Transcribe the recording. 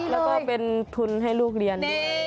แล้วก็เป็นทุนให้ลูกเรียน